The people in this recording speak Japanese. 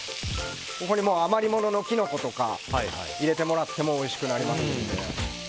余り物のキノコとか入れてもらってもおいしくなりますので。